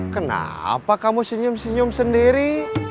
kenapa kamu senyum senyum sendiri